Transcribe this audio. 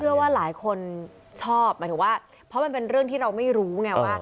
เพราะว่าหลายคนชอบแม้ว่าเพราะว่าเป็นเรื่องที่เราไม่รู้ไงว่า